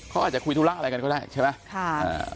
เขาอาจจะคุยธุระอะไรกันก็ได้ใช่ไหม